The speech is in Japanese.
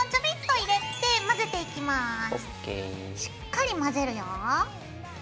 しっかり混ぜるよ。